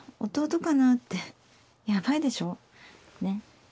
弟かな？ってヤバいでしょ。ね？